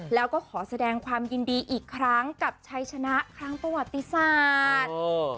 แล้วก็ขอแสดงความยินดีอีกครั้งกับชัยชนะครั้งประวัติศาสตร์